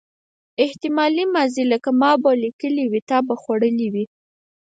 احتمالي ماضي لکه ما به لیکلي وي او تا به خوړلي وي.